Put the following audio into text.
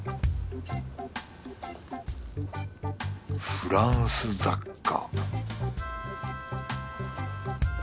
フランス雑貨